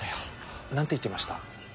何て言ってました？